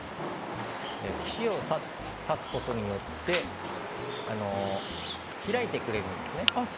串を刺すことによって開いてくれるんです。